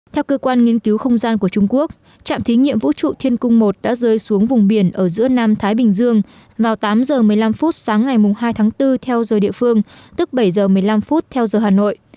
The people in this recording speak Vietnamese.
theo cơ quan nghiên cứu không gian của trung quốc trạm thí nghiệm vũ trụ thiên cung một đã rơi xuống vùng biển ở giữa nam thái bình dương vào tám h một mươi năm phút sáng ngày hai tháng bốn theo giờ địa phương tức bảy h một mươi năm phút theo giờ hà nội